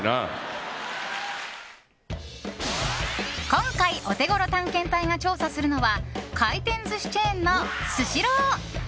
今回、オテゴロ探検隊が調査するのは回転寿司チェーンのスシロー！